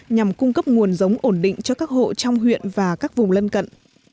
nhằm cung cấp nguồn giống ổn định cho các hộ trong huyện và các vùng lân cận